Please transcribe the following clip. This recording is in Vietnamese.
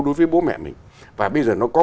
đối với bố mẹ mình và bây giờ